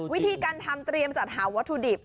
วิธีการทำเตรียมจัดหาวัตถุดิบ